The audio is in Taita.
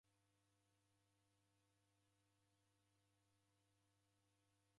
Ni kii chidimagha kuboisa machumbano gha ndoe?